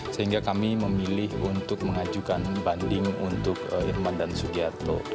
sehingga kami memilih untuk mengajukan banding untuk irman dan sugiharto